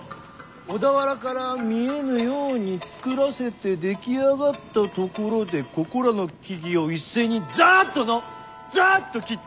小田原から見えぬように造らせて出来上がったところでここらの木々を一斉にザッとのザッと切った。